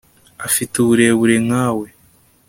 Afite uburebure nkawe